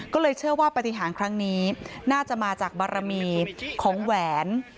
ก็เลยเชื่อว่าปฏิหารครั้งนี้น่าจะมาจากบารมีของแหวน